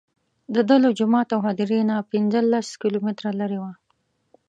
دده له جومات او هدیرې نه پنځه لس کیلومتره لرې وه.